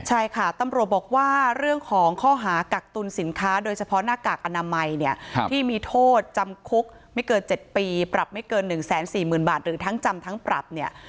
ใช่ค่ะตำรวจบอกว่าเรื่องของข้อหากักตุลสินค้าโดยเฉพาะหน้ากากอนามัยเนี่ยที่มีโทษจำคุกไม่เกิน๗ปีปรับไม่เกิน๑๔๐๐๐บาทหรือทั้งจำทั้งปรับเนี่ย